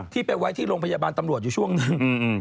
ไปไว้ที่โรงพยาบาลตำรวจอยู่ช่วงหนึ่ง